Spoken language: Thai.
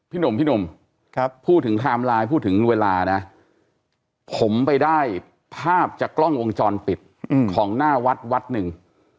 หนุ่มพี่หนุ่มพูดถึงไทม์ไลน์พูดถึงเวลานะผมไปได้ภาพจากกล้องวงจรปิดของหน้าวัดวัดหนึ่ง